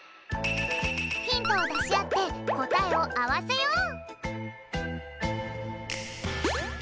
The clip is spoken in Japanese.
ヒントをだしあってこたえをあわせよう！